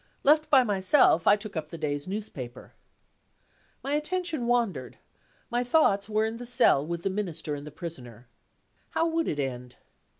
Left by myself, I took up the day's newspaper. My attention wandered; my thoughts were in the cell with the Minister and the Prisoner. How would it end?